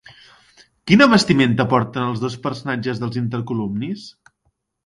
Quina vestimenta porten els dos personatges dels intercolumnis?